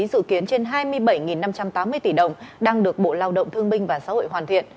dự kiến trên hai mươi bảy năm trăm tám mươi tỷ đồng đang được bộ lao động thương binh và xã hội hoàn thiện